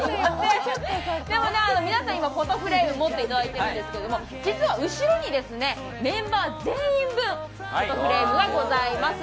でも皆さん、今、フォトフレームを持っていただいているんですけど、実は後ろにメンバー全員分、フォトフレームがございます。